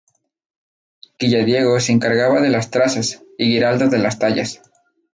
Villadiego se encargaba de las trazas y Giraldo de las tallas.